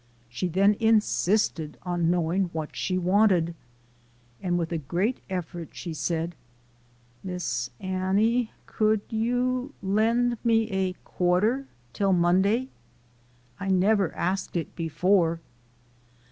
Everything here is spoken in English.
She then insisted on knowing what she wanted. And with a great effort, she said, " Miss Annie, could 112 APPENDIX. you lend me a quarter till Monday? I never asked it before."